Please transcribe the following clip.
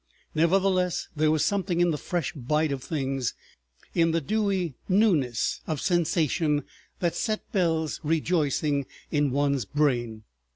Nevertheless, there was something in the fresh bite of things, in the dewy newness of sensation that set bells rejoicing in one's brain.